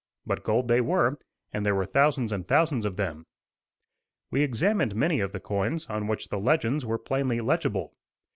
But gold they were, and there were thousands and thousands of them. We examined many of the coins, on which the legends were plainly legible.